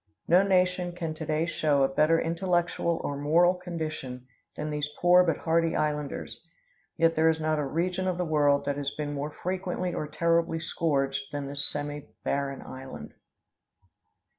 No nation can to day show a better intellectual or moral condition than these poor but hardy islanders. Yet there is not a region of the world that has been more frequently or terribly scourged than this semibarren island.